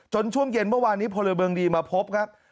ช่วงเย็นเมื่อวานนี้พลเมืองดีมาพบครับ